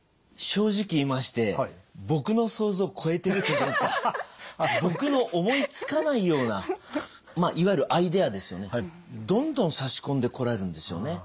正直言いましてぼくの思いつかないようないわゆるアイデアですよねどんどん差し込んでこられるんですよね。